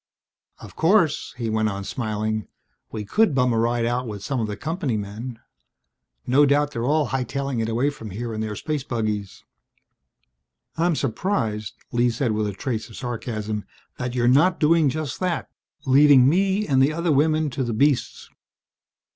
"Of course," he went on, smiling, "we could bum a ride out with some of the company men. No doubt they're all hightailing it away from here in their space buggies." "I'm surprised," Lee said with a trace of sarcasm, "that you're not doing just that, leaving me and the other women to the beasts!"